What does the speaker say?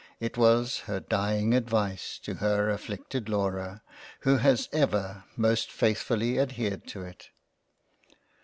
. It was her dieing Advice to her afflicted Laura, who has ever most faithfully adhered to it.